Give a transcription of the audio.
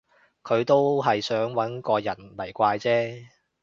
佢都係想搵個人嚟怪啫